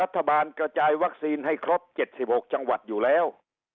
กระจายวัคซีนให้ครบ๗๖จังหวัดอยู่แล้ว